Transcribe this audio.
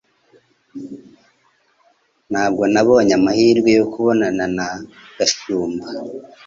Ntabwo nabonye amahirwe yo kubonana na Gashumba.